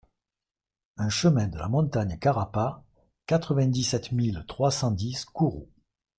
un chemin de la Montagne Carapa, quatre-vingt-dix-sept mille trois cent dix Kourou